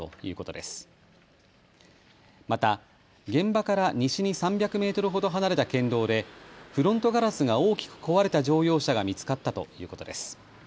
また現場から西に３００メートルほど離れた県道でフロントガラスが大きく壊れた乗用車が見つかったということです。